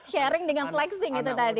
sharing dengan flexing itu tadi